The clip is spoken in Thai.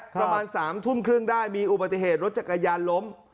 ประมาณ๓ทุ่มครึ่งได้มีอุบัติเหตุรถจักรยานล้ม